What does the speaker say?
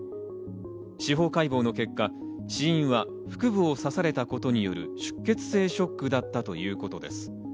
司法解剖の結果、死因は腹部を刺されたことによる出血性ショックだったということです。